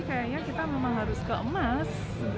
kayaknya kita memang harus ke emas